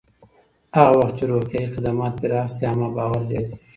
هغه وخت چې روغتیایي خدمات پراخ شي، عامه باور زیاتېږي.